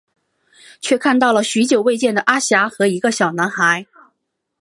却看到了许久未见的阿霞和一个小男孩。